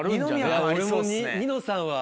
ニノさんは。